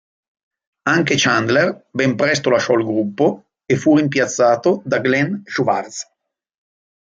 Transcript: Anche Chandler ben presto lasciò il gruppo, e fu rimpiazzato da Glen Schwartz.